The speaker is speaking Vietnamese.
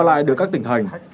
lại được các tỉnh thành